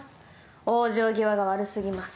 往生際が悪すぎます